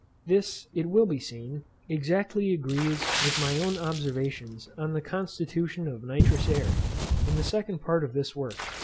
This, it will be seen, exactly agrees with my own observation on the constitution of nitrous air, in the second part of this work.